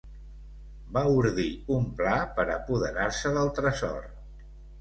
Va ordir un pla per a apoderar-se del tresor.